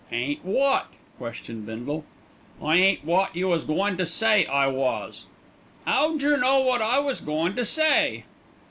"Ain't wot?" questioned Bindle. "I ain't wot you was goin' to say I was." "'Ow jer know wot I was goin' to say?"